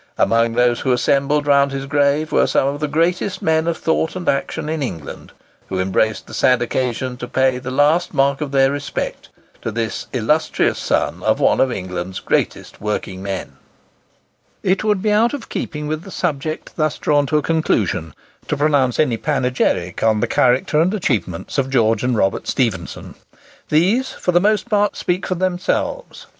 Among those who assembled round his grave were some of the greatest men of thought and action in England, who embraced the sad occasion to pay the last mark of their respect to this illustrious son of one of England's greatest working men. [Picture: Robert Stephenson's Burial place in Westminster Abbey] It would be out of keeping with the subject thus drawn to a conclusion, to pronounce any panegyric on the character and achievements of George and Robert Stephenson. These for the most part speak for themselves.